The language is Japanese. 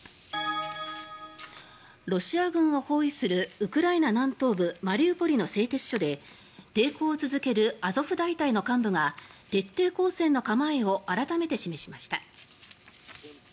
ロシア軍を包囲するウクライナ南東部マリウポリの製鉄所で抵抗を続けるアゾフ大隊の幹部が徹底抗戦の構えを改めて示しました。